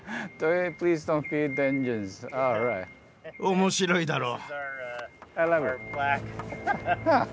面白いだろう？